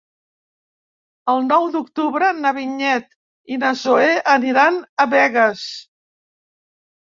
El nou d'octubre na Vinyet i na Zoè aniran a Begues.